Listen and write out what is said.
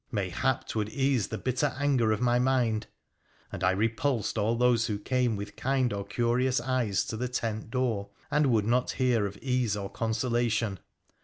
mayhap 'twould ease the bitter anger of my mind — and I repulsed all those who came with kind or curious eyes to the tent door, and would not hear of ease or consolation.